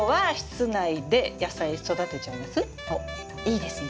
おっいいですね！